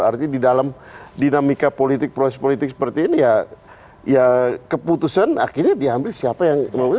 artinya di dalam dinamika politik proses politik seperti ini ya keputusan akhirnya diambil siapa yang memiliki